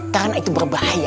karena itu berbahaya